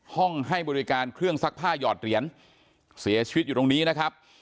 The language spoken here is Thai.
ให้บริการเครื่องซักผ้าหยอดเหรียญเสียชีวิตอยู่ตรงนี้นะครับ